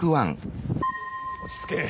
落ち着け。